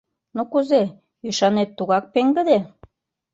Ну кузе, ӱшанет тугак пеҥгыде?